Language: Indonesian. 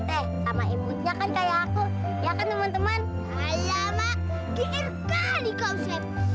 teh sama ibunya kan kayak aku ya kan teman teman alamak gilirkan dikau sebis